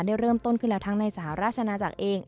ได้เริ่มต้นขึ้นแล้วทั้งในสหราชนาจักรเอง